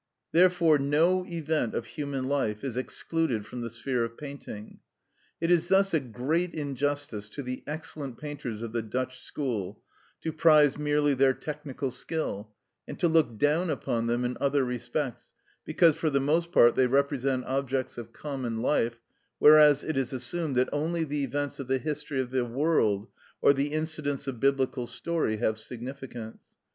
Therefore no event of human life is excluded from the sphere of painting. It is thus a great injustice to the excellent painters of the Dutch school, to prize merely their technical skill, and to look down upon them in other respects, because, for the most part, they represent objects of common life, whereas it is assumed that only the events of the history of the world, or the incidents of biblical story, have significance.